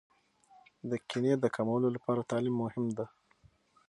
د کینې د کمولو لپاره تعلیم مهم دی.